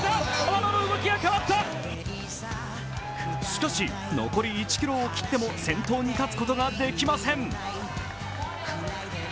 しかし、残り１ｋｍを過ぎても先頭に立つことができません。